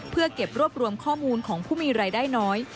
เพื่อเก็บรวบรวมข้อมูลของผู้มีรายได้น้อย